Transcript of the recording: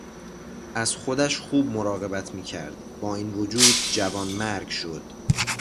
از خودش خوب مراقبت میکرد با این وجود جوانمرگ شد.